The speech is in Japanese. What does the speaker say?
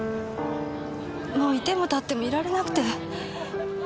もう居ても立ってもいられなくて。